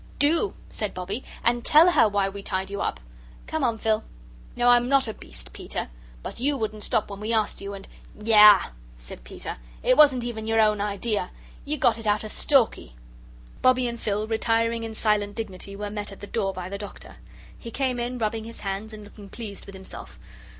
"Do," said Bobbie, "and tell her why we tied you up! Come on, Phil. No, I'm not a beast, Peter. But you wouldn't stop when we asked you and " "Yah," said Peter, "it wasn't even your own idea. You got it out of Stalky!" Bobbie and Phil, retiring in silent dignity, were met at the door by the Doctor. He came in rubbing his hands and looking pleased with himself.